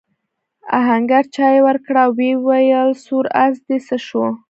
آهنګر چايي ورکړه او وویل سور آس دې څه شو؟